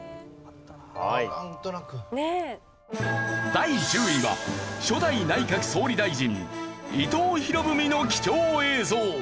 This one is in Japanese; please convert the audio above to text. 第１０位は初代内閣総理大臣伊藤博文の貴重映像。